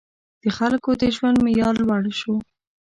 • د خلکو د ژوند معیار لوړ شو.